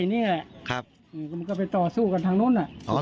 มันก็ไปต่อสู้กันทางนู้น